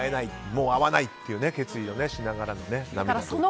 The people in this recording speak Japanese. もう会わないという決意をしながらの。